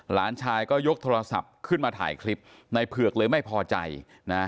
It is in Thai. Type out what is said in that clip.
หลานชายก็ยกโทรศัพท์ขึ้นมาถ่ายคลิปในเผือกเลยไม่พอใจนะ